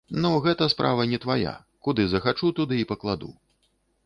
Ну, гэта справа не твая, куды захачу, туды і пакладу.